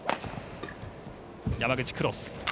山口、クロス。